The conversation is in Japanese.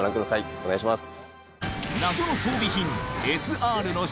お願いします。